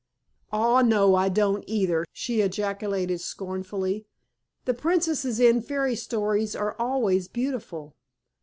"Aw, no I don't, either!" she ejaculated scornfully. "The princesses in fairy stories are always beautiful."